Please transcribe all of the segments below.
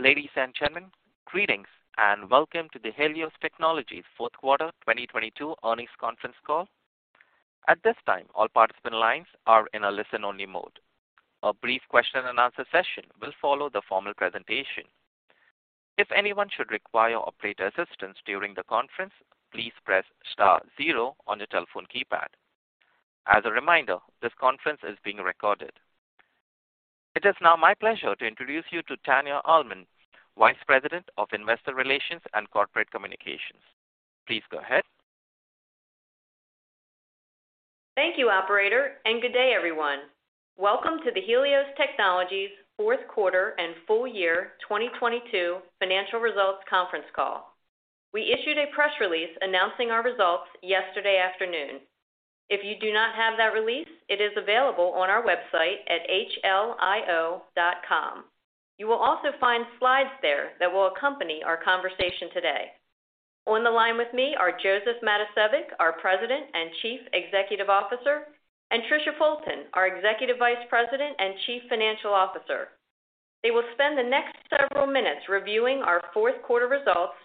Ladies and gentlemen, greetings, and welcome to the Helios Technologies Fourth Quarter 2022 Earnings Conference Call. At this time, all participant lines are in a listen-only mode. A brief question-and-answer session will follow the formal presentation. If anyone should require operator assistance during the conference, please press star zero on your telephone keypad. As a reminder, this conference is being recorded. It is now my pleasure to introduce you to Tania Almond, Vice President of Investor Relations and Corporate Communications. Please go ahead. Thank you operator. Good day everyone. Welcome to the Helios Technologies fourth quarter and full year 2022 financial results conference call. We issued a press release announcing our results yesterday afternoon. If you do not have that release, it is available on our website at heliostechnologies.com. You will also find slides there that will accompany our conversation today. On the line with me are Josef Matosevic, our President and Chief Executive Officer, and Tricia Fulton, our Executive Vice President and Chief Financial Officer. They will spend the next several minutes reviewing our fourth quarter results,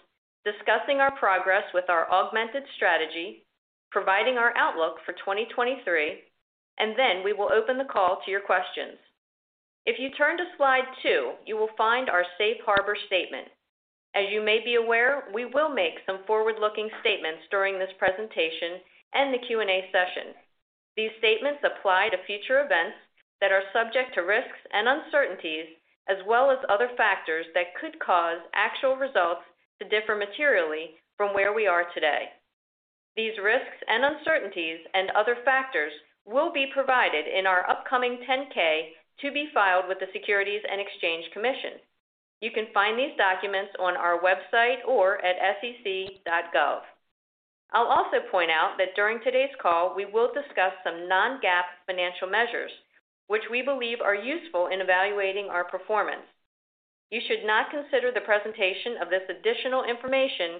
discussing our progress with our augmented strategy, providing our outlook for 2023, and then we will open the call to your questions. If you turn to slide two, you will find our safe harbor statement. As you may be aware, we will make some forward-looking statements during this presentation and the Q&A session. These statements apply to future events that are subject to risks and uncertainties as well as other factors that could cause actual results to differ materially from where we are today. These risks and uncertainties and other factors will be provided in our upcoming 10-K to be filed with the Securities and Exchange Commission. You can find these documents on our website or at sec.gov. I'll also point out that during today's call, we will discuss some non-GAAP financial measures which we believe are useful in evaluating our performance. You should not consider the presentation of this additional information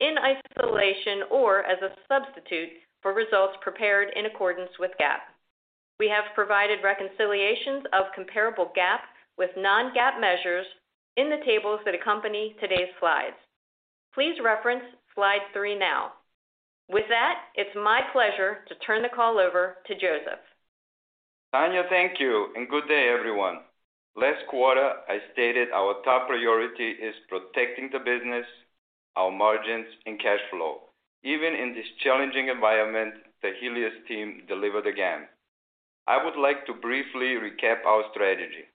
in isolation or as a substitute for results prepared in accordance with GAAP. We have provided reconciliations of comparable GAAP with non-GAAP measures in the tables that accompany today's slides. Please reference slide three now. With that, it's my pleasure to turn the call over to Josef. Tania, thank you, and good day, everyone. Last quarter, I stated our top priority is protecting the business, our margins and cash flow. Even in this challenging environment, the Helios team delivered again. I would like to briefly recap our strategy.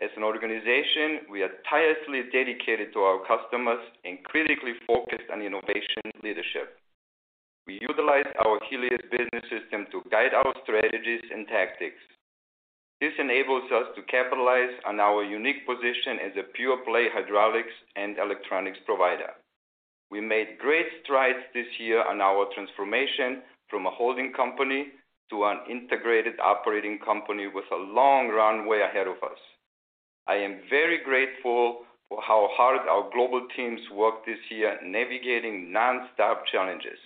As an organization, we are tirelessly dedicated to our customers and critically focused on innovation leadership. We utilize our Helios Business System to guide our strategies and tactics. This enables us to capitalize on our unique position as a pure-play hydraulics and electronics provider. We made great strides this year on our transformation from a holding company to an integrated operating company with a long runway ahead of us. I am very grateful for how hard our global teams worked this year, navigating nonstop challenges.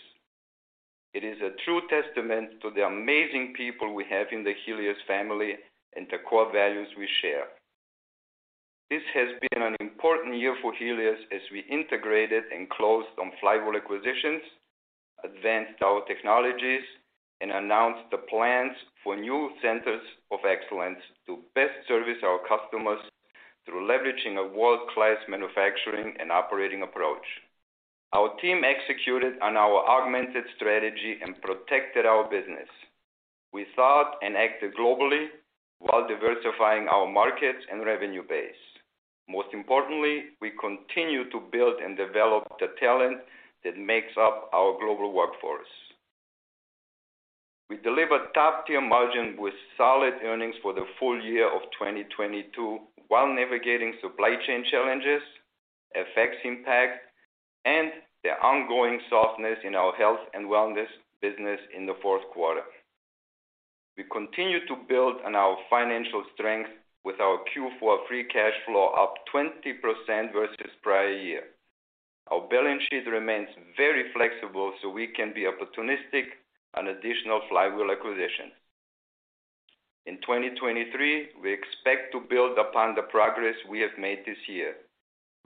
It is a true testament to the amazing people we have in the Helios family and the core values we share. This has been an important year for Helios as we integrated and closed on flywheel acquisitions, advanced our technologies, and announced the plans for new centers of excellence to best service our customers through leveraging a world-class manufacturing and operating approach. Our team executed on our augmented strategy and protected our business. We thought and acted globally while diversifying our markets and revenue base. Most importantly, we continue to build and develop the talent that makes up our global workforce. We delivered top-tier margin with solid earnings for the full year of 2022 while navigating supply chain challenges, FX impact, and the ongoing softness in our health and wellness business in the fourth quarter. We continue to build on our financial strength with our Q4 free cash flow up 20% versus prior year. Our balance sheet remains very flexible so we can be opportunistic on additional flywheel acquisitions. In 2023, we expect to build upon the progress we have made this year.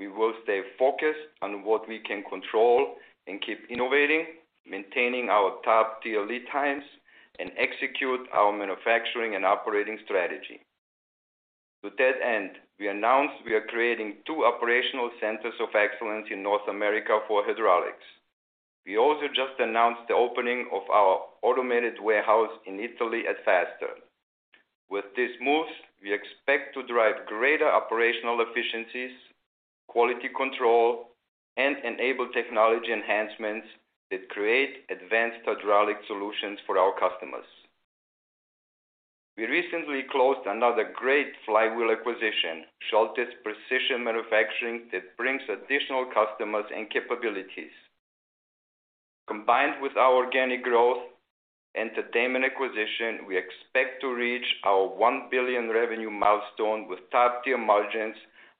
We will stay focused on what we can control and keep innovating, maintaining our top tier lead times and execute our manufacturing and operating strategy. To that end, we announced we are creating two operational centers of excellence in North America for hydraulics. We also just announced the opening of our automated warehouse in Italy at Faster. With these moves, we expect to drive greater operational efficiencies, quality control, and enable technology enhancements that create advanced hydraulic solutions for our customers. We recently closed another great flywheel acquisition, Schultes Precision Manufacturing that brings additional customers and capabilities. Combined with our organic growth and the Daman acquisition, we expect to reach our $1 billion revenue milestone with top-tier margins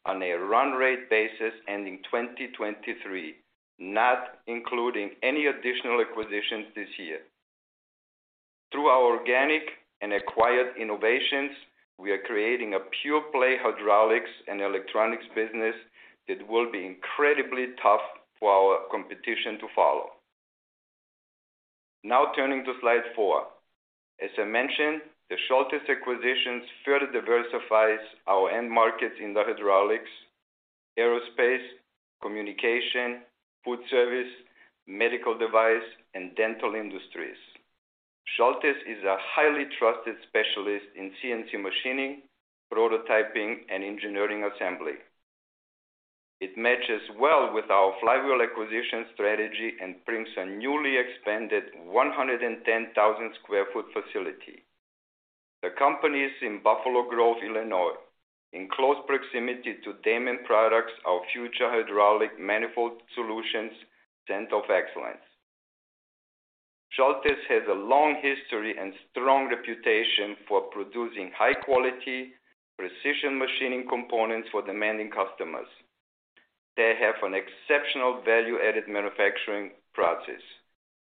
on a run rate basis ending 2023, not including any additional acquisitions this year. Through our organic and acquired innovations, we are creating a pure-play hydraulics and electronics business that will be incredibly tough for our competition to follow. Turning to slide four. As I mentioned, the Schultes acquisitions further diversifies our end markets in the hydraulics, aerospace, communication, food service, medical device and dental industries. Schultes is a highly trusted specialist in CNC machining, prototyping, and engineering assembly. It matches well with our flywheel acquisition strategy and brings a newly expanded 110,000 sq ft facility. The company is in Buffalo Grove, Illinois, in close proximity to Daman Products, our future hydraulic manifold solutions center of excellence. Schultes has a long history and strong reputation for producing high-quality, precision machining components for demanding customers. They have an exceptional value-added manufacturing process.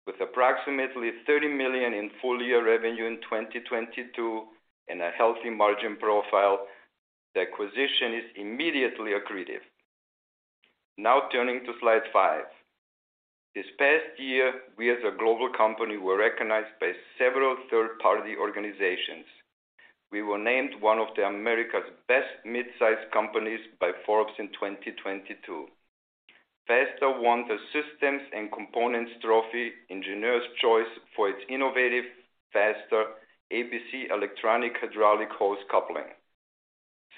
With approximately $30 million in full year revenue in 2022 and a healthy margin profile, the acquisition is immediately accretive. Turning to slide five. This past year, we as a global company were recognized by several third-party organizations. We were named one of the America's Best Midsize Companies by Forbes in 2022. Faster won the Systems and Components Trophy – Engineers Choice for its innovative Faster ABC electronic hydraulic hose coupling.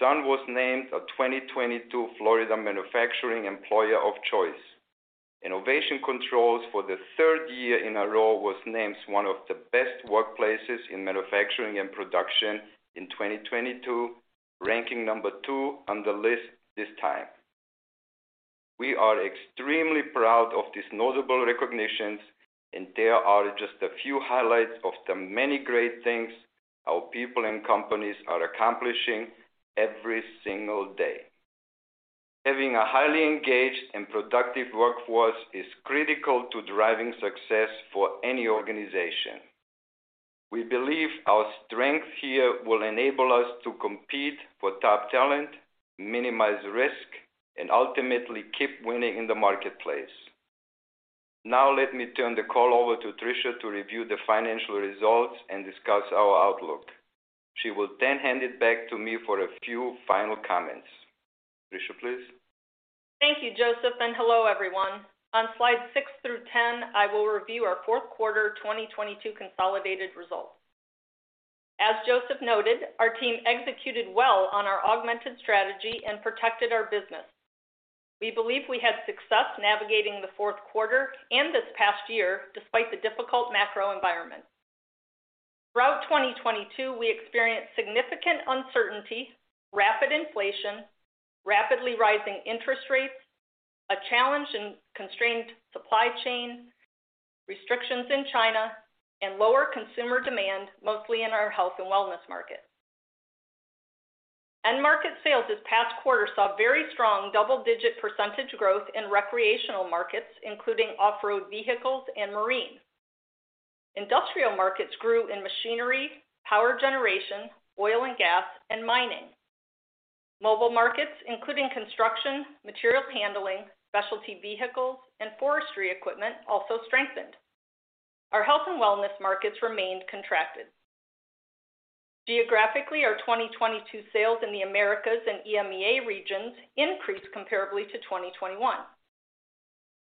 SUN was named a 2022 Florida Manufacturing Employer of Choice. Enovation Controls for the third year in a row was named one of the best workplaces in manufacturing and production in 2022, ranking number two on the list this time. We are extremely proud of these notable recognitions, and they are just a few highlights of the many great things our people and companies are accomplishing every single day. Having a highly engaged and productive workforce is critical to driving success for any organization. We believe our strength here will enable us to compete for top talent, minimize risk, and ultimately keep winning in the marketplace. Let me turn the call over to Tricia to review the financial results and discuss our outlook. She will hand it back to me for a few final comments. Tricia, please. Thank you, Josef, and hello, everyone. On slides six through 10, I will review our fourth quarter 2022 consolidated results. As Joseph noted, our team executed well on our augmented strategy and protected our business. We believe we had success navigating the fourth quarter and this past year despite the difficult macro environment. Throughout 2022, we experienced significant uncertainty, rapid inflation, rapidly rising interest rates, a challenged and constrained supply chain, restrictions in China, and lower consumer demand, mostly in our health and wellness markets. End market sales this past quarter saw very strong double-digit % growth in recreational markets, including off-road vehicles and marine. Industrial markets grew in machinery, power generation, oil and gas, and mining. Mobile markets, including construction, materials handling, specialty vehicles, and forestry equipment also strengthened. Our health and wellness markets remained contracted. Geographically, our 2022 sales in the Americas and EMEA regions increased comparably to 2021,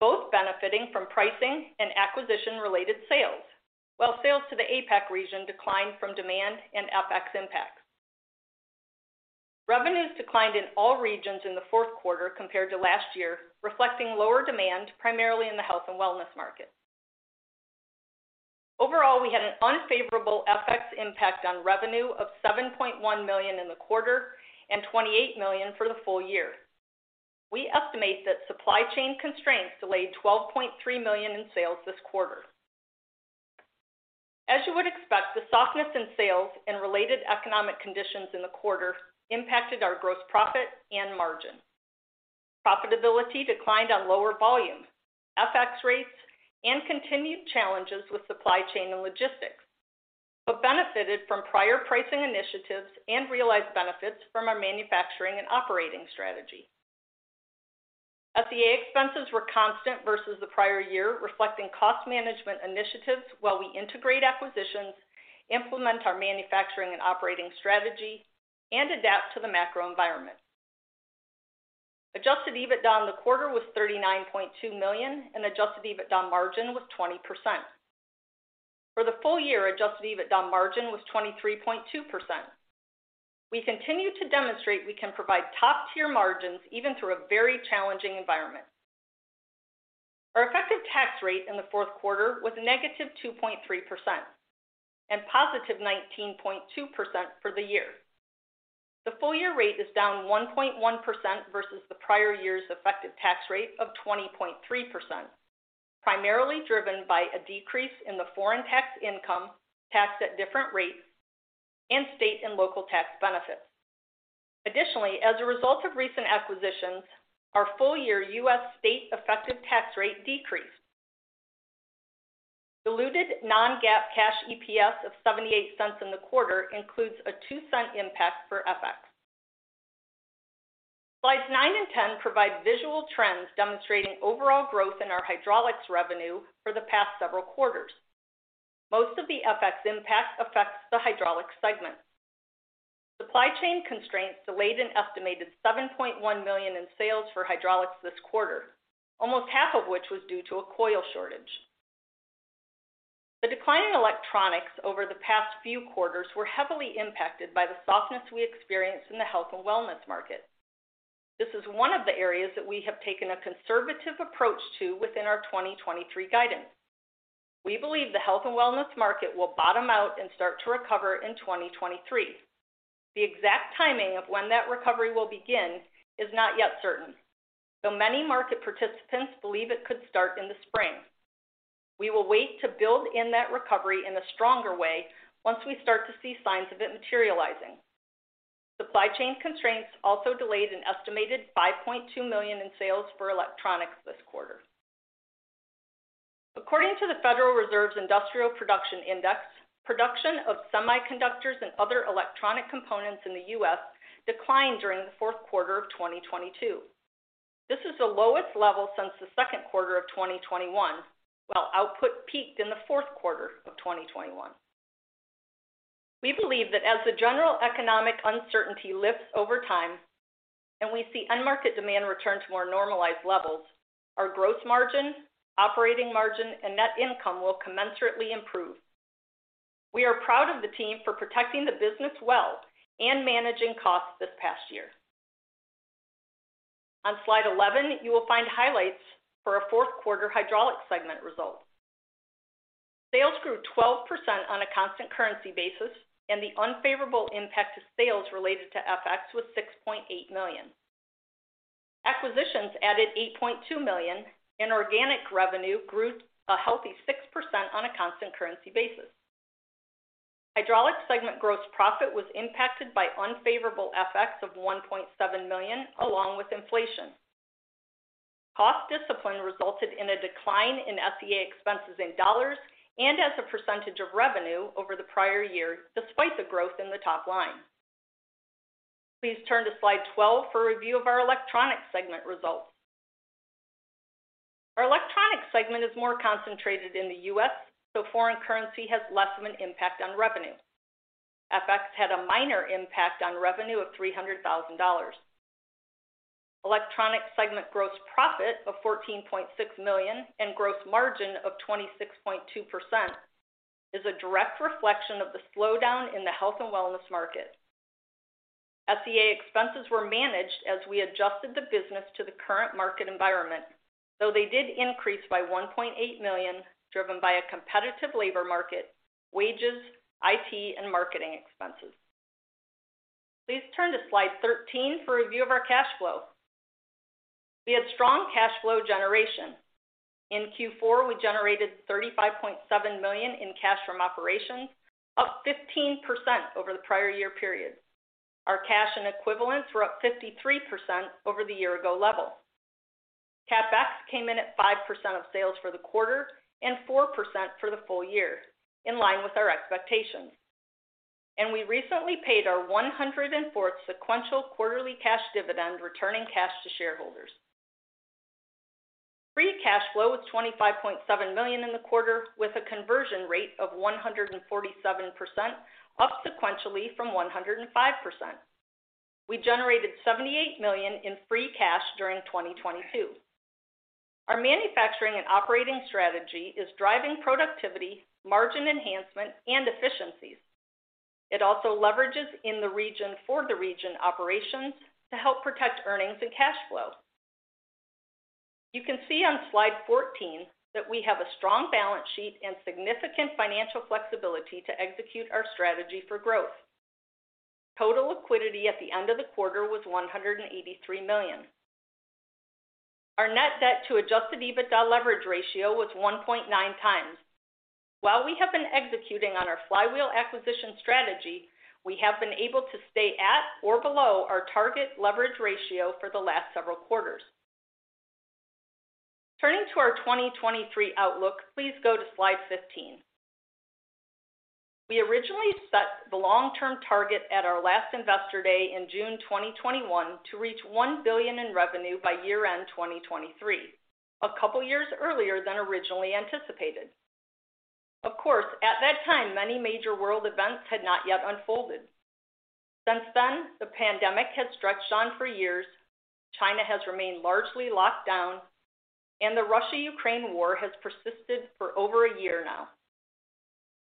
both benefiting from pricing and acquisition-related sales, while sales to the APAC region declined from demand and FX impacts. Revenues declined in all regions in the fourth quarter compared to last year, reflecting lower demand primarily in the health and wellness market. Overall, we had an unfavorable FX impact on revenue of $7.1 million in the quarter and $28 million for the full year. We estimate that supply chain constraints delayed $12.3 million in sales this quarter. As you would expect, the softness in sales and related economic conditions in the quarter impacted our gross profit and margin. Profitability declined on lower volumes, FX rates, and continued challenges with supply chain and logistics, but benefited from prior pricing initiatives and realized benefits from our manufacturing and operating strategy. FCA expenses were constant versus the prior year, reflecting cost management initiatives while we integrate acquisitions, implement our manufacturing and operating strategy, and adapt to the macro environment. Adjusted EBITDA in the quarter was $39.2 million, and Adjusted EBITDA margin was 20%. For the full year, Adjusted EBITDA margin was 23.2%. We continue to demonstrate we can provide top-tier margins even through a very challenging environment. Our effective tax rate in the fourth quarter was -2.3% and +19.2% for the year. The full year rate is down 1.1% versus the prior year's effective tax rate of 20.3%, primarily driven by a decrease in the foreign tax income taxed at different rates and state and local tax benefits. Additionally, as a result of recent acquisitions, our full year U.S. state effective tax rate decreased. Diluted non-GAAP cash EPS of $0.78 in the quarter includes a $0.02 impact for FX. Slides nine and 10 provide visual trends demonstrating overall growth in our hydraulics revenue for the past several quarters. Most of the FX impact affects the hydraulics segment. Supply chain constraints delayed an estimated $7.1 million in sales for hydraulics this quarter, almost half of which was due to a coil shortage. The decline in electronics over the past few quarters were heavily impacted by the softness we experienced in the health and wellness market. This is one of the areas that we have taken a conservative approach to within our 2023 guidance. We believe the health and wellness market will bottom out and start to recover in 2023. The exact timing of when that recovery will begin is not yet certain, though many market participants believe it could start in the spring. We will wait to build in that recovery in a stronger way once we start to see signs of it materializing. Supply chain constraints also delayed an estimated $5.2 million in sales for electronics this quarter. According to the Federal Reserve's Industrial Production Index, production of semiconductors and other electronic components in the US declined during the fourth quarter of 2022. This is the lowest level since the second quarter of 2021, while output peaked in the fourth quarter of 2021. We believe that as the general economic uncertainty lifts over time and we see end market demand return to more normalized levels, our gross margin, operating margin, and net income will commensurately improve. We are proud of the team for protecting the business well and managing costs this past year. On slide 11, you will find highlights for our fourth quarter Hydraulics segment results. Sales grew 12% on a constant currency basis, and the unfavorable impact to sales related to FX was $6.8 million. Acquisitions added $8.2 million, and organic revenue grew a healthy 6% on a constant currency basis. Hydraulics segment gross profit was impacted by unfavorable FX of $1.7 million, along with inflation. Cost discipline resulted in a decline in SCA expenses in dollars and as a percentage of revenue over the prior year, despite the growth in the top line. Please turn to slide 12 for a review of our electronics segment results. Our electronics segment is more concentrated in the U.S. Foreign currency has less of an impact on revenue. FX had a minor impact on revenue of $300,000. Electronics segment gross profit of $14.6 million and gross margin of 26.2% is a direct reflection of the slowdown in the health and wellness market. SCA expenses were managed as we adjusted the business to the current market environment, though they did increase by $1.8 million, driven by a competitive labor market, wages, IT, and marketing expenses. Please turn to slide 13 for a review of our cash flow. We had strong cash flow generation. In Q4, we generated $35.7 million in cash from operations, up 15% over the prior year period. Our cash and equivalents were up 53% over the year ago level. CapEx came in at 5% of sales for the quarter and 4% for the full year, in line with our expectations. We recently paid our 104th sequential quarterly cash dividend, returning cash to shareholders. Free cash flow was $25.7 million in the quarter, with a conversion rate of 147%, up sequentially from 105%. We generated $78 million in free cash during 2022. Our manufacturing and operating strategy is driving productivity, margin enhancement, and efficiencies. It also leverages in-the-region, for-the-region operations to help protect earnings and cash flow. You can see on slide 14 that we have a strong balance sheet and significant financial flexibility to execute our strategy for growth. Total liquidity at the end of the quarter was $183 million. Our net debt to Adjusted EBITDA leverage ratio was 1.9 times. While we have been executing on our flywheel acquisition strategy, we have been able to stay at or below our target leverage ratio for the last several quarters. Turning to our 2023 outlook, please go to slide 15. We originally set the long-term target at our last Investor Day in June 2021 to reach $1 billion in revenue by year-end 2023, a couple years earlier than originally anticipated. Of course, at that time, many major world events had not yet unfolded. Since then, the pandemic has stretched on for years, China has remained largely locked down, and the Russia-Ukraine war has persisted for over a year now.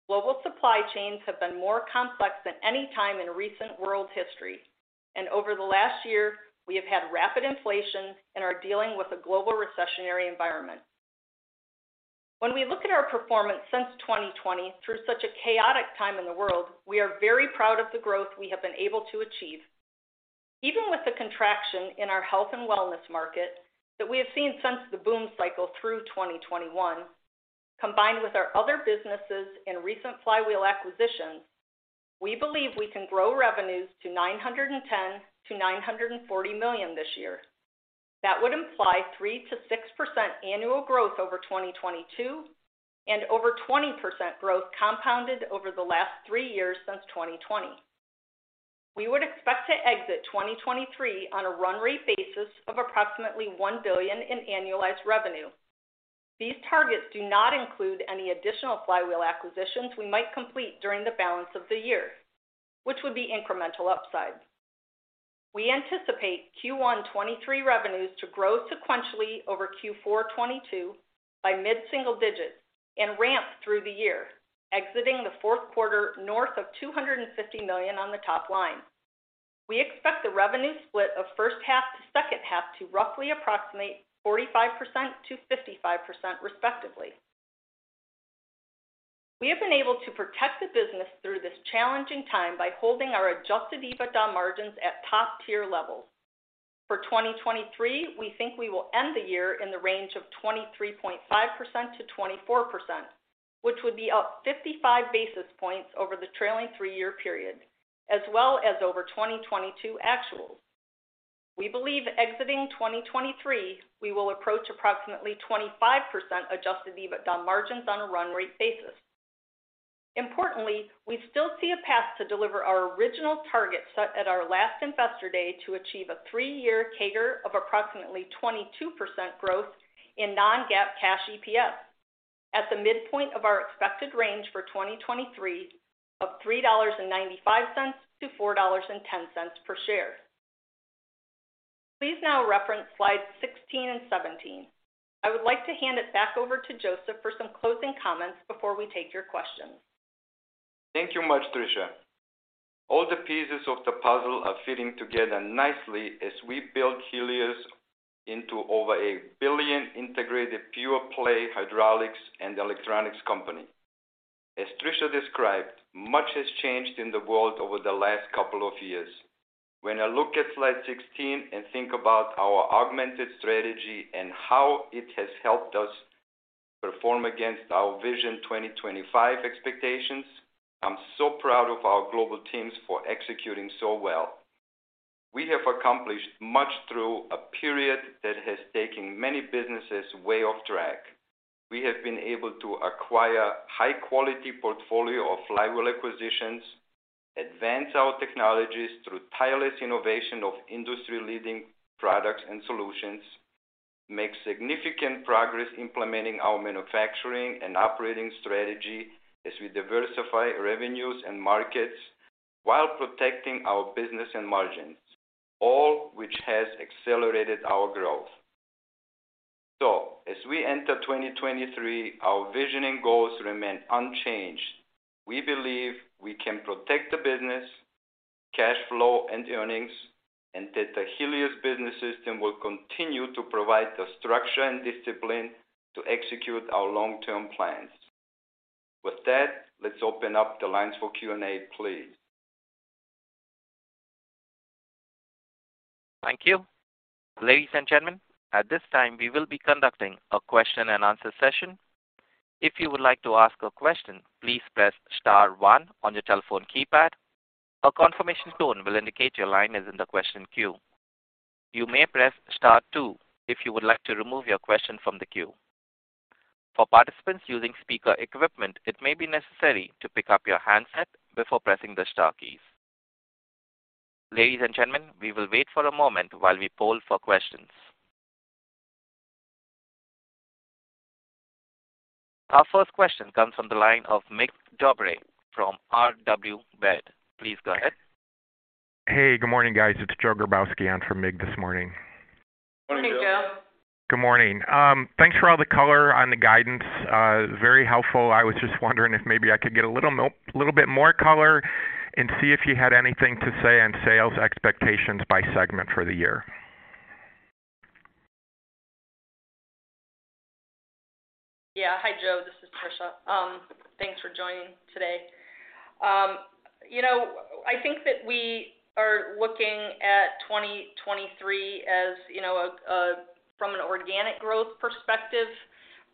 Global supply chains have been more complex than any time in recent world history, over the last year, we have had rapid inflation and are dealing with a global recessionary environment. When we look at our performance since 2020 through such a chaotic time in the world, we are very proud of the growth we have been able to achieve. Even with the contraction in our health and wellness market that we have seen since the boom cycle through 2021. Combined with our other businesses and recent flywheel acquisitions, we believe we can grow revenues to $910 million-$940 million this year. That would imply 3%-6% annual growth over 2022 and over 20% growth compounded over the last three years since 2020. We would expect to exit 2023 on a run rate basis of approximately $1 billion in annualized revenue. These targets do not include any additional flywheel acquisitions we might complete during the balance of the year, which would be incremental upsides. We anticipate Q1 2023 revenues to grow sequentially over Q4 2022 by mid-single digits and ramp through the year, exiting the fourth quarter north of $250 million on the top line. We expect the revenue split of first half to second half to roughly approximate 45%-55% respectively. We have been able to protect the business through this challenging time by holding our Adjusted EBITDA margins at top tier levels. For 2023, we think we will end the year in the range of 23.5%-24%, which would be up 55 basis points over the trailing three-year period as well as over 2022 actuals. We believe exiting 2023, we will approach approximately 25% Adjusted EBITDA margins on a run rate basis. Importantly, we still see a path to deliver our original target set at our last Investor Day to achieve a three-year CAGR of approximately 22% growth in non-GAAP cash EPS at the midpoint of our expected range for 2023 of $3.95-$4.10 per share. Please now reference slides 16 and 17. I would like to hand it back over to Josef for some closing comments before we take your questions. Thank you much, Tricia. All the pieces of the puzzle are fitting together nicely as we build Helios into over $1 billion integrated pure play hydraulics and electronics company. As Tricia described, much has changed in the world over the last couple of years. When I look at slide 16 and think about our augmented strategy and how it has helped us perform against our Vision 2025 expectations, I'm so proud of our global teams for executing so well. We have accomplished much through a period that has taken many businesses way off track. We have been able to acquire high quality portfolio of flywheel acquisitions, advance our technologies through tireless innovation of industry-leading products and solutions, make significant progress implementing our manufacturing and operating strategy as we diversify revenues and markets while protecting our business and margins, all which has accelerated our growth. As we enter 2023, our vision and goals remain unchanged. We believe we can protect the business, cash flow and earnings, and that the Helios Business System will continue to provide the structure and discipline to execute our long-term plans. With that, let's open up the lines for Q&A, please. Thank you. Ladies and gentlemen, at this time, we will be conducting a question and answer session. If you would like to ask a question, please press star one on your telephone keypad. A confirmation tone will indicate your line is in the question queue. You may press star two if you would like to remove your question from the queue. For participants using speaker equipment, it may be necessary to pick up your handset before pressing the star keys. Ladies and gentlemen, we will wait for a moment while we poll for questions. Our first question comes from the line of Mircea Dobre from RW Baird Please go ahead. Hey, good morning, guys. It's Joe Grabowski on for Mig this morning. Morning, Joe. Good morning. Thanks for all the color on the guidance. Very helpful. I was just wondering if maybe I could get a little bit more color and see if you had anything to say on sales expectations by segment for the year. Yeah. Hi, Joe. This is Tricia. Thanks for joining today. You know, I think that we are looking at 2023, as you know, from an organic growth perspective,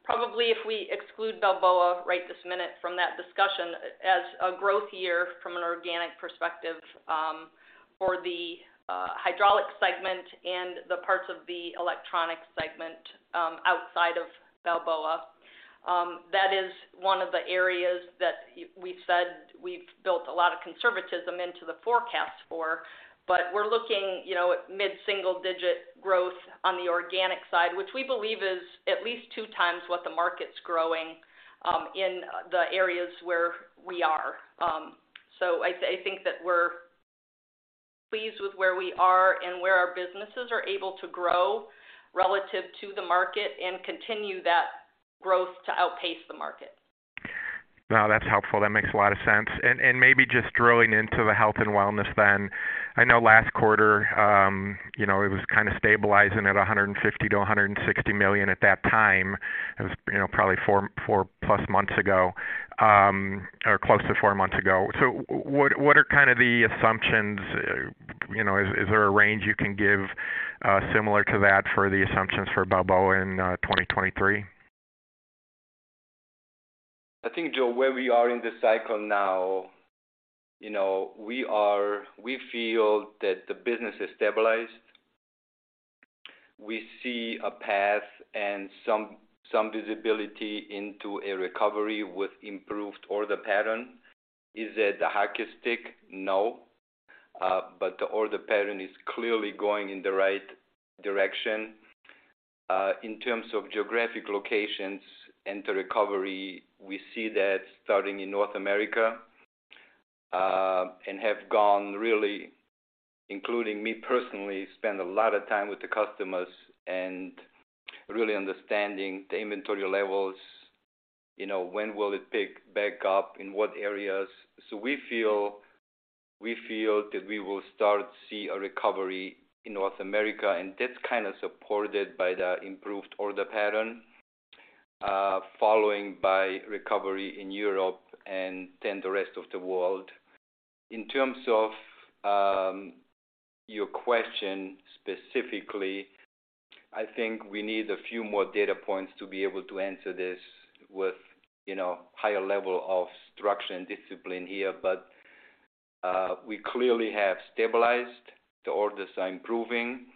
probably if we exclude Balboa right this minute from that discussion as a growth year from an organic perspective, for the hydraulic segment and the parts of the electronic segment, outside of Balboa. That is one of the areas that we've said we've built a lot of conservatism into the forecast for. We're looking, you know, at mid-single digit growth on the organic side, which we believe is at least two times what the market's growing, in the areas where we are. I think that we're pleased with where we are and where our businesses are able to grow relative to the market and continue that growth to outpace the market. No, that's helpful. That makes a lot of sense. Maybe just drilling into the health and wellness then. I know last quarter, you know, it was kind of stabilizing at $150 million-$160 million at that time. It was, you know, probably four, four-plus months ago, or close to four months ago. What are kind of the assumptions? You know, is there a range you can give, similar to that for the assumptions for Balboa in 2023? I think, Joe, where we are in the cycle now, you know, we feel that the business is stabilized. We see a path and some visibility into a recovery with improved order pattern. Is it a hockey stick? No. The order pattern is clearly going in the right direction. In terms of geographic locations and the recovery, we see that starting in North America, and have gone really, including me personally, spend a lot of time with the customers and really understanding the inventory levels, you know, when will it pick back up, in what areas. We feel that we will start to see a recovery in North America, and that's kind of supported by the improved order pattern, following by recovery in Europe and then the rest of the world. In terms of, your question specifically, I think we need a few more data points to be able to answer this with, you know, higher level of structure and discipline here. We clearly have stabilized. The orders are improving.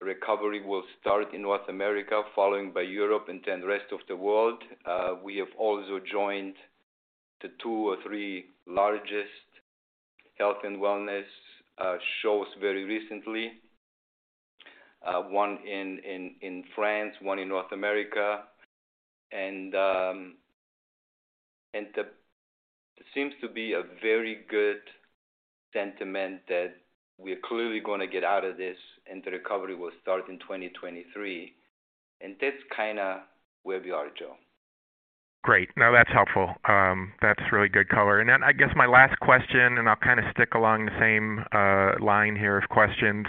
Recovery will start in North America, following by Europe and then rest of the world. We have also joined the two or three largest health and wellness, shows very recently, one in, in France, one in North America. There seems to be a very good sentiment that we are clearly gonna get out of this, and the recovery will start in 2023. That's kinda where we are, Joe. Great. No, that's helpful. That's really good color. I guess my last question, and I'll kind of stick along the same line here of questions.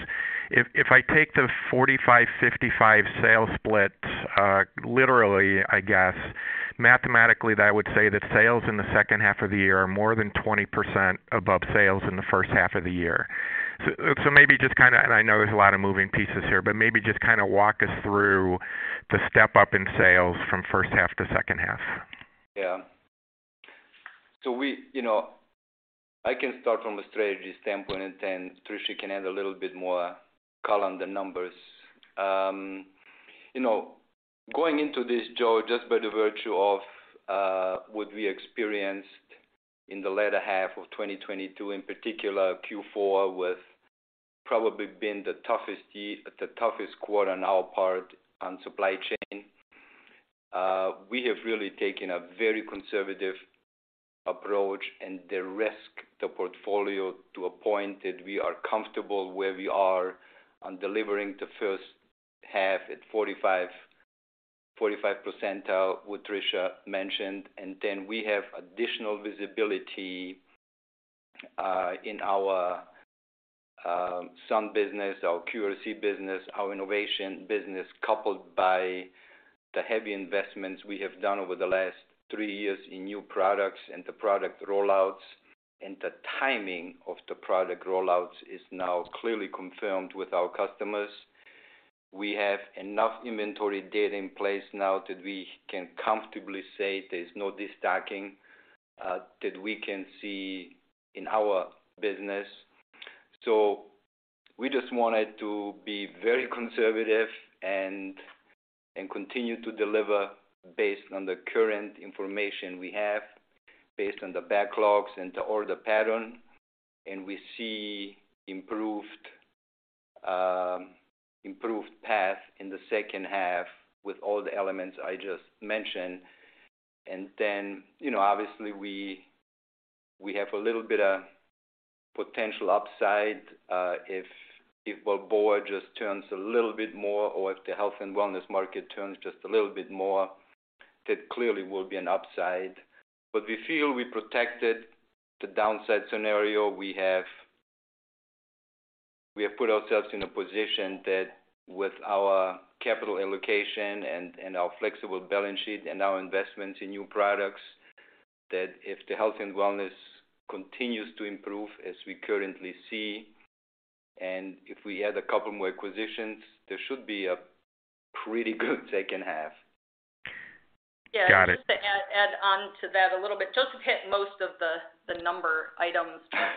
If I take the 45, 55 sales split literally, I guess, mathematically, that would say that sales in the second half of the year are more than 20% above sales in the first half of the year. Maybe just kinda, and I know there's a lot of moving pieces here, but maybe just kinda walk us through the step-up in sales from first half to second half. We, you know, I can start from a strategy standpoint, and then Tricia can add a little bit more color on the numbers. You know, going into this, Joe, just by the virtue of what we experienced in the latter half of 2022, in particular Q4, with probably been the toughest quarter on our part on supply chain, we have really taken a very conservative approach and de-risked the portfolio to a point that we are comfortable where we are on delivering the first half at 45 percentile, what Tricia mentioned. We have additional visibility in our Sun business, our QRC business, our Enovation Controls business, coupled by the heavy investments we have done over the last three years in new products and the product rollouts. The timing of the product rollouts is now clearly confirmed with our customers. We have enough inventory data in place now that we can comfortably say there's no destocking that we can see in our business. We just wanted to be very conservative and continue to deliver based on the current information we have, based on the backlogs and the order pattern, and we see improved path in the second half with all the elements I just mentioned. Then, you know, obviously we have a little bit of potential upside if Balboa just turns a little bit more or if the health and wellness market turns just a little bit more, that clearly will be an upside. We feel we protected the downside scenario. We have put ourselves in a position that with our capital allocation and our flexible balance sheet and our investments in new products, that if the health and wellness continues to improve as we currently see, and if we add a couple more acquisitions, there should be a pretty good second half. Got it. Yeah. Just to add on to that a little bit. Josef hit most of the number items. Yeah.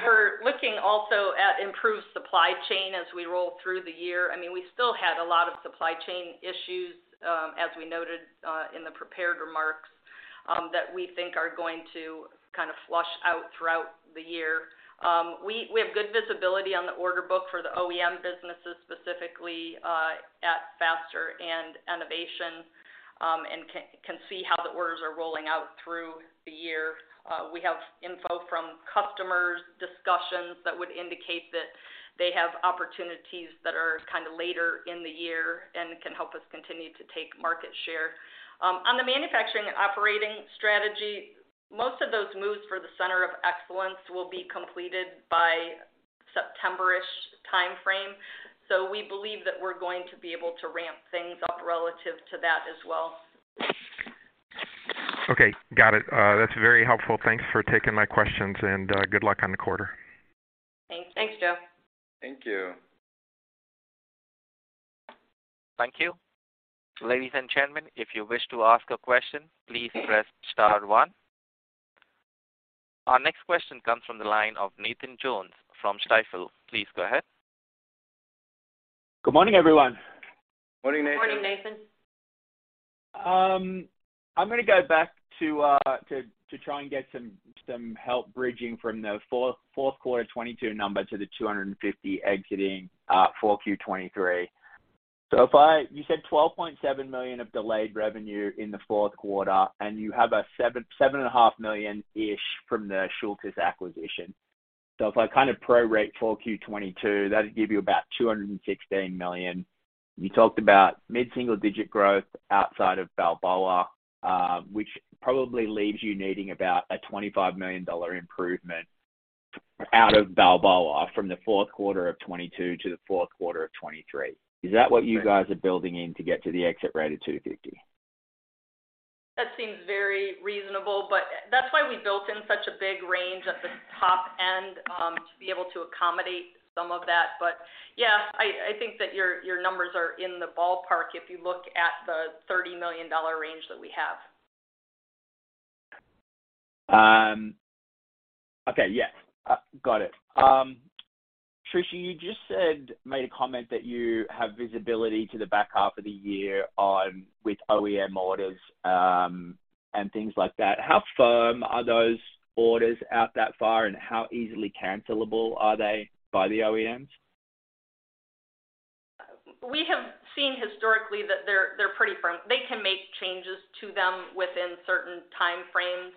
We're looking also at improved supply chain as we roll through the year. I mean, we still had a lot of supply chain issues, as we noted, in the prepared remarks, that we think are going to kind of flush out throughout the year. We have good visibility on the order book for the OEM businesses, specifically, at Faster and Enovation, and can see how the orders are rolling out through the year. We have info from customers, discussions that would indicate that they have opportunities that are kind of later in the year and can help us continue to take market share. On the manufacturing and operating strategy, most of those moves for the center of excellence will be completed by September-ish time frame. We believe that we're going to be able to ramp things up relative to that as well. Okay, got it. That's very helpful. Thanks for taking my questions, and good luck on the quarter. Thanks. Thanks, Joe. Thank you. Thank you. Ladies and gentlemen, if you wish to ask a question, please press star one. Our next question comes from the line of Nathan Jones from Stifel. Please go ahead. Good morning, everyone. Morning, Nathan. Morning, Nathan. I'm gonna go back to try and get some help bridging from the fourth quarter 2022 number to the $250 exiting 4Q 2023. You said $12.7 million of delayed revenue in the fourth quarter, and you have a $7.5 million-ish from the Schultes acquisition. If I kind of prorate 4Q 2022, that'd give you about $216 million. You talked about mid-single-digit growth outside of Balboa, which probably leaves you needing about a $25 million improvement out of Balboa from the fourth quarter of 2022 to the fourth quarter of 2023. Is that what you guys are building in to get to the exit rate of $250? That seems very reasonable, but that's why we built in such a big range at the top end to be able to accommodate some of that. Yeah, I think that your numbers are in the ballpark if you look at the $30 million range that we have. Okay. Yeah. Got it. Tricia, you just made a comment that you have visibility to the back half of the year on with OEM orders, and things like that. How firm are those orders out that far, and how easily cancelable are they by the OEMs? We have seen historically that they're pretty firm. They can make changes to them within certain time frames.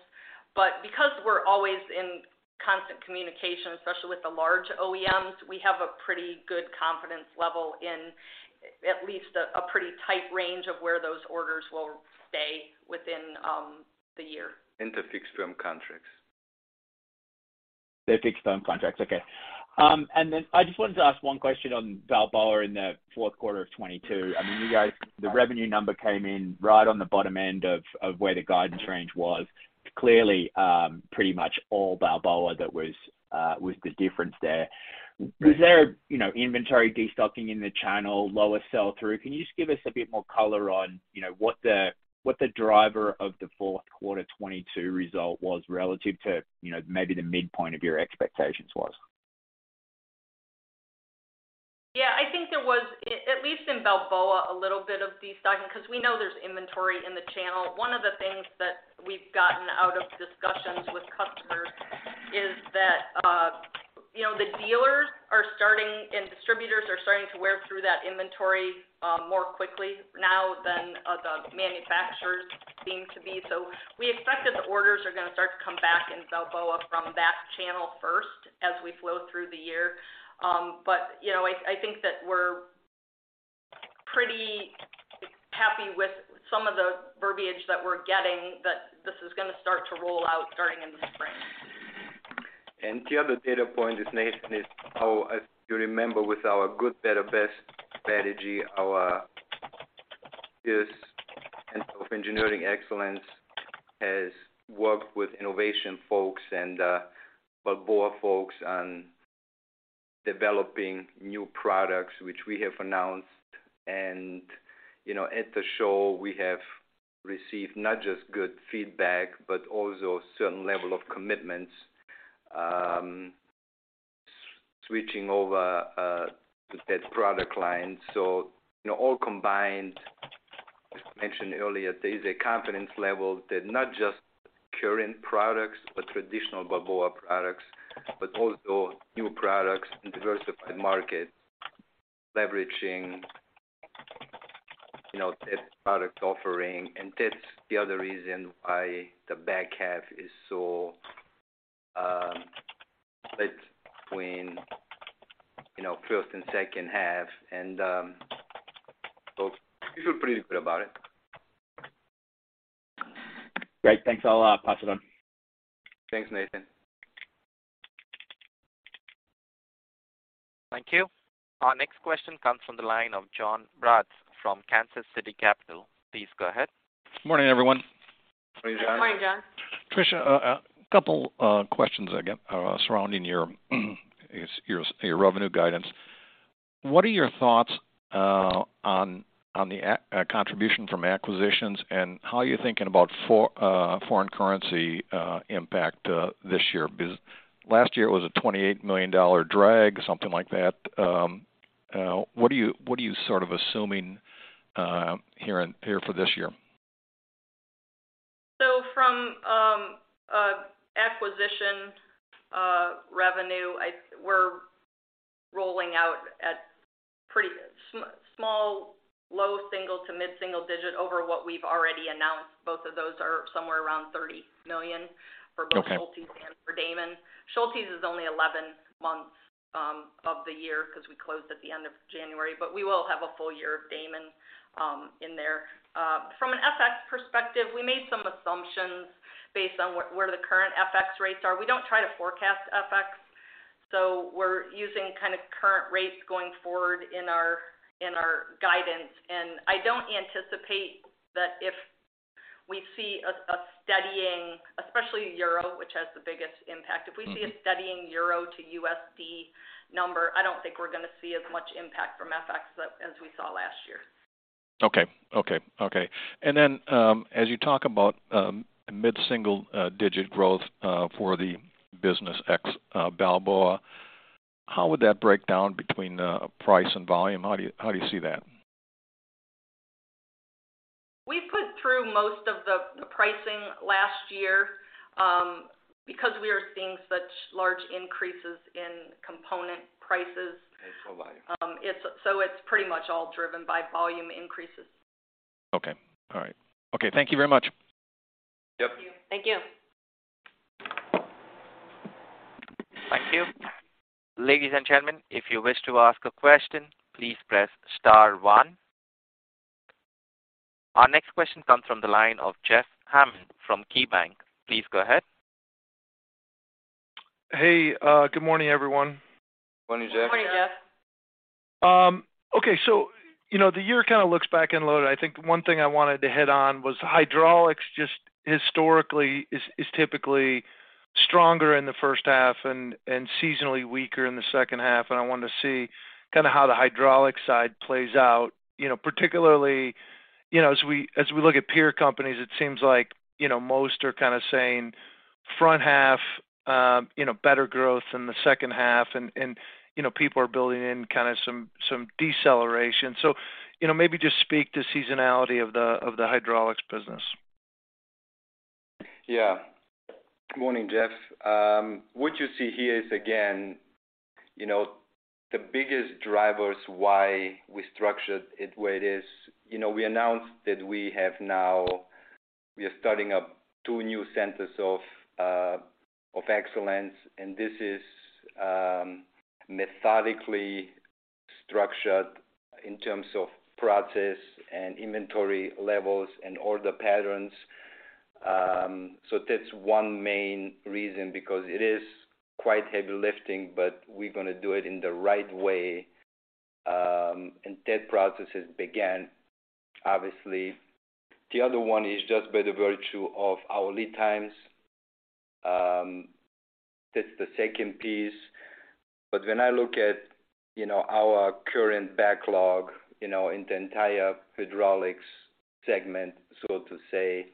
Because we're always in constant communication, especially with the large OEMs, we have a pretty good confidence level in at least a pretty tight range of where those orders will stay within the year. They're fixed firm contracts. They're fixed firm contracts. Okay. Then I just wanted to ask one question on Balboa in the fourth quarter of 2022. I mean, you guys, the revenue number came in right on the bottom end of where the guidance range was. Clearly, pretty much all Balboa that was the difference there. Was there, you know, inventory destocking in the channel, lower sell-through? Can you just give us a bit more color on, you know, what the driver of the fourth quarter 2022 result was relative to, you know, maybe the midpoint of your expectations was? Yeah, I think there was at least in Balboa, a little bit of destocking because we know there's inventory in the channel. One of the things that we've gotten out of discussions with customers is that, you know, the dealers are starting and distributors are starting to wear through that inventory more quickly now than the manufacturers seem to be. We expect that the orders are gonna start to come back in Balboa from that channel first as we flow through the year. You know, I think that we're pretty happy with some of the verbiage that we're getting that this is gonna start to roll out starting in the spring. The other data point is, Nathan, is how, as you remember, with our good, better, best strategy, our business of engineering excellence has worked with innovation folks and Balboa folks on developing new products which we have announced. You know, at the show, we have received not just good feedback, but also a certain level of commitments switching over to that product line. You know, all combined, as mentioned earlier, there is a confidence level that not just current products or traditional Balboa products, but also new products in diversified markets, leveraging, you know, that product offering. That's the other reason why the back half is so split between, you know, first and second half. We feel pretty good about it. Great. Thanks a lot. I'll pass it on. Thanks, Nathan. Thank you. Our next question comes from the line of John Braatz from Kansas City Capital. Please go ahead. Morning, everyone. Morning, John. Morning, John. Tricia, a couple questions I got surrounding your revenue guidance. What are your thoughts on the contribution from acquisitions, and how are you thinking about foreign currency impact this year? Last year it was a $28 million drag or something like that. What are you sort of assuming here for this year? From acquisition revenue, we're rolling out at pretty small, low single to mid-single digit over what we've already announced. Both of those are somewhere around $30 million. Okay. For both Schultes and for Daman. Schultes is only 11 months of the year 'cause we closed at the end of January, but we will have a full year of Daman in there. From an FX perspective, we made some assumptions based on where the current FX rates are. We don't try to forecast FX. We're using kind of current rates going forward in our, in our guidance. I don't anticipate that if we see a steadying, especially euro, which has the biggest impact. Mm-hmm. We see a steadying Euro to USD number, I don't think we're gonna see as much impact from FX as we saw last year. Okay. As you talk about mid-single digit growth for the business ex Balboa, how would that break down between price and volume? How do you see that? We put through most of the pricing last year, because we are seeing such large increases in component prices. Hey, Tobias. It's pretty much all driven by volume increases. Okay. All right. Okay. Thank you very much. Yep. Thank you. Thank you. Ladies and gentlemen, if you wish to ask a question, please press star one. Our next question comes from the line of Jeff Hammond from KeyBank. Please go ahead. Hey, good morning, everyone. Morning, Jeff. Morning, Jeff. Okay. You know, the year kind of looks back-end loaded. I think one thing I wanted to hit on was hydraulics just historically is typically stronger in the first half and seasonally weaker in the second half. I wanted to see kinda how the hydraulics side plays out. You know, particularly, you know, as we look at peer companies, it seems like, you know, most are kinda saying front half, you know, better growth than the second half and, you know, people are building in kinda some deceleration. You know, maybe just speak to seasonality of the hydraulics business. Yeah. Morning, Jeff. What you see here is, again, you know, the biggest drivers why we structured it the way it is. You know, we announced that we are starting up two new centers of excellence, and this is methodically structured in terms of process and inventory levels and order patterns. That's one main reason because it is quite heavy lifting, but we're gonna do it in the right way, and that process has began, obviously. The other one is just by the virtue of our lead times. That's the second piece. When I look at, you know, our current backlog, you know, in the entire hydraulics segment, so to say,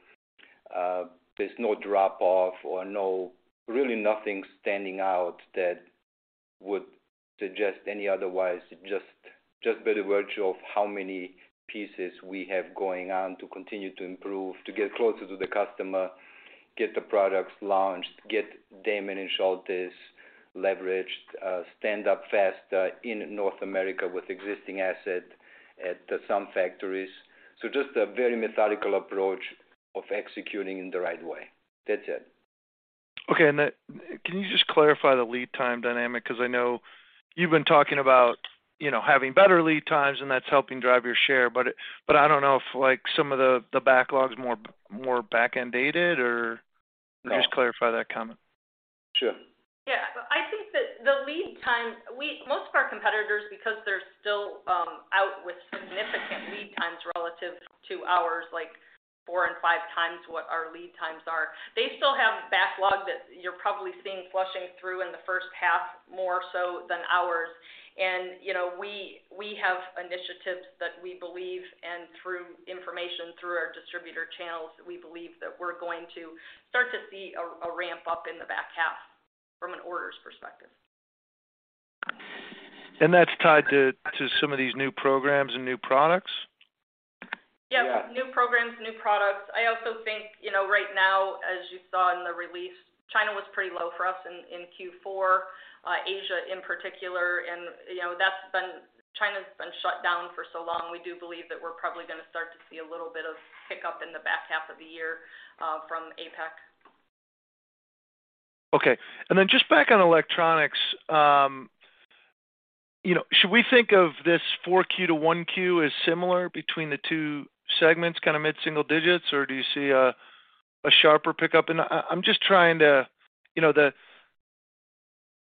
there's no drop off or no... really nothing standing out that would suggest any otherwise, just by the virtue of how many pieces we have going on to continue to improve, to get closer to the customer, get the products launched, get Daman and Schultes leveraged, stand up Faster in North America with existing asset at some factories. Just a very methodical approach of executing in the right way. That's it. Okay. Then can you just clarify the lead time dynamic? 'Cause I know you've been talking about, you know, having better lead times, and that's helping drive your share. But I don't know if like some of the backlogs more back-end dated or- No. Just clarify that comment. Sure. Yeah. I think that the lead time, most of our competitors because they're still out with significant lead times relative to ours, like four and five times what our lead times are, they still have backlog that you're probably seeing flushing through in the first half, more so than ours. You know, we have initiatives that we believe and through information through our distributor channels, that we believe that we're going to start to see a ramp up in the back half from an orders perspective. That's tied to some of these new programs and new products? Yeah. Yep, new programs, new products. I also think, you know, right now as you saw in the release, China was pretty low for us in Q4, Asia in particular. You know, China's been shut down for so long. We do believe that we're probably gonna start to see a little bit of pickup in the back half of the year from APAC. Okay. Just back on electronics, you know, should we think of this 4Q to 1Q as similar between the two segments, kinda mid-single digits, or do you see a sharper pickup? You know,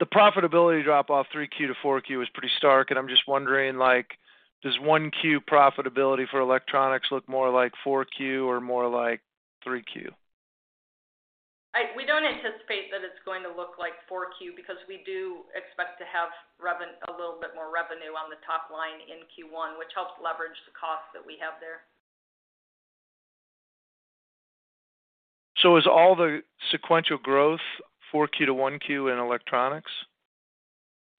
the profitability drop off 3Q to 4Q is pretty stark, I'm just wondering like, does 1Q profitability for electronics look more like 4Q or more like 3Q? We don't anticipate that it's going to look like 4Q because we do expect to have a little bit more revenue on the top line in Q1, which helps leverage the costs that we have there. Is all the sequential growth 4Q to 1Q in electronics?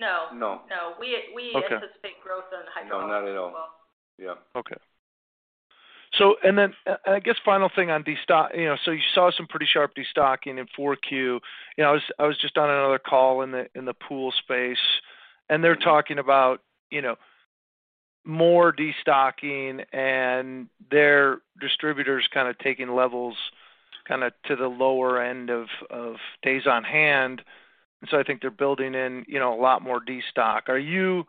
No. No. No. We Okay. anticipate growth on the hydraulic as well. No, not at all. Yeah. Okay. I guess final thing on destock? You know, you saw some pretty sharp destocking in 4Q. You know, I was just on another call in the, in the pool space, and they're talking about, you know, more destocking and their distributors kinda taking levels kinda to the lower end of days on hand. I think they're building in, you know, a lot more destock. Are you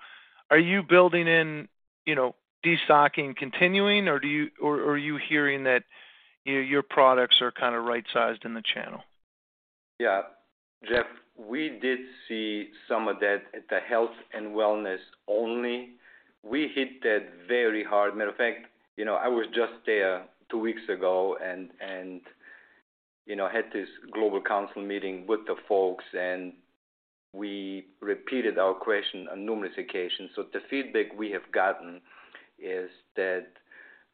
building in, you know, destocking continuing, or are you hearing that, you know, your products are kinda right-sized in the channel? Yeah. Jeff, we did see some of that at the health and wellness only. We hit that very hard. Matter of fact, you know, I was just there two weeks ago and, you know, had this global council meeting with the folks, and we repeated our question on numerous occasions. The feedback we have gotten is that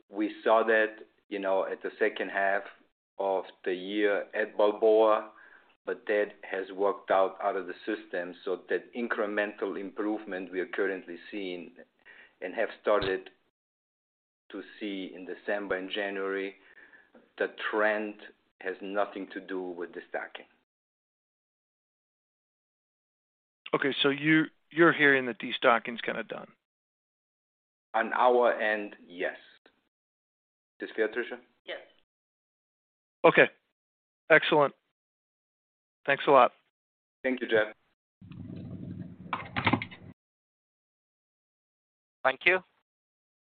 we saw that, you know, at the second half of the year at Balboa, but that has worked out out of the system. That incremental improvement we are currently seeing and have started to see in December and January, the trend has nothing to do with destocking. Okay. You're hearing that destocking is kinda done. On our end, yes. Is this fair, Tricia? Yes. Okay. Excellent. Thanks a lot. Thank you, Jeff. Thank you.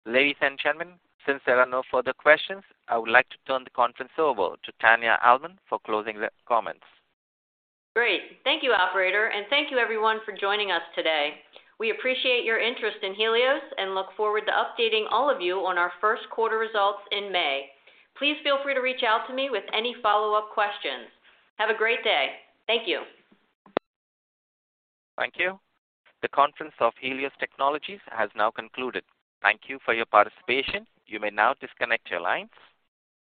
Ladies and gentlemen, since there are no further questions, I would like to turn the conference over to Tania Almond for closing re- comments. Great. Thank you, operator, and thank you everyone for joining us today. We appreciate your interest in Helios and look forward to updating all of you on our first quarter results in May. Please feel free to reach out to me with any follow-up questions. Have a great day. Thank you. Thank you. The conference of Helios Technologies has now concluded. Thank you for your participation. You may now disconnect your lines.